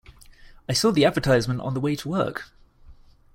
I saw the advertisement on the way to work.